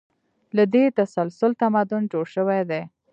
له دې تسلسل تمدن جوړ شوی دی.